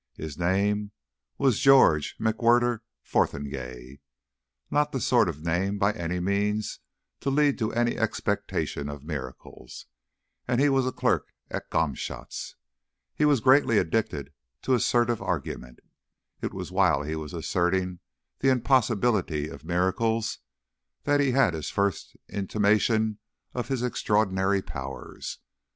His name was George McWhirter Fotheringay not the sort of name by any means to lead to any expectation of miracles and he was clerk at Gomshott's. He was greatly addicted to assertive argument. It was while he was asserting the impossibility of miracles that he had his first intimation of his extraordinary powers.